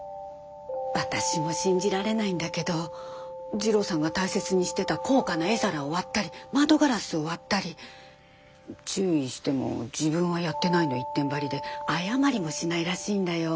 私も信じられないんだけど次郎さんが大切にしてた高価な絵皿を割ったり窓ガラスを割ったり注意しても自分はやってないの一点張りで謝りもしないらしいんだよ。